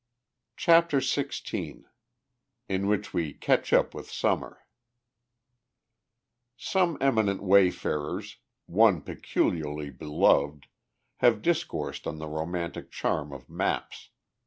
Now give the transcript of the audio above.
CHAPTER XVI IN WHICH WE CATCH UP WITH SUMMER Some eminent wayfarers one peculiarly beloved have discoursed on the romantic charm of maps.